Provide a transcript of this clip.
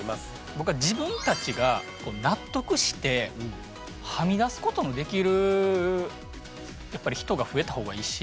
僕は自分たちが納得してはみだすことのできるやっぱり人が増えたほうがいいし。